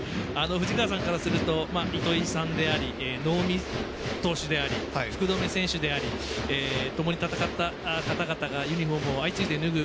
藤川さんからすると糸井さんであり能見投手であり福留選手でありともに戦った方々があいついで脱ぐ